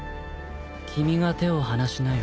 君が手を離しなよ。